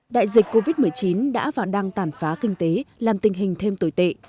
đại dịch covid một mươi chín đã và đang tàn phá kinh tế làm tình hình thêm tồi tệ